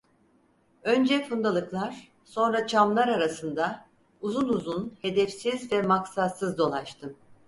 Önce fundalıklar, sonra çamlar arasında, uzun uzun, hedefsiz ve maksatsız dolaştım.